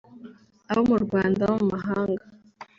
abo mu Rwanda no mu mahanga’